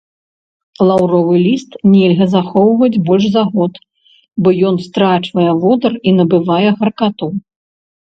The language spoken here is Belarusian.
Лаўровы ліст нельга захоўваць больш за год, бо ён страчвае водар і набывае гаркату.